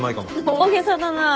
大げさだなぁ。